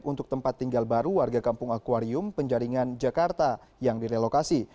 untuk tempat tinggal baru warga kampung akwarium penjaringan jakarta yang direlokasi